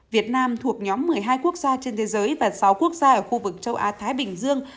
việt nam thuộc nhóm một mươi hai quốc gia trên thế giới và sáu quốc gia ở khu vực châu á thái bình dương